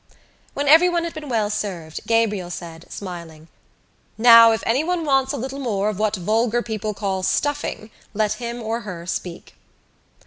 When everyone had been well served Gabriel said, smiling: "Now, if anyone wants a little more of what vulgar people call stuffing let him or her speak."